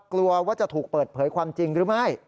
กลัวว่าจะถูกเปิดเผยความจริงหรือไม่